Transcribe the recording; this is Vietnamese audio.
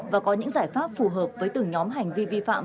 và có những giải pháp phù hợp với từng nhóm hành vi vi phạm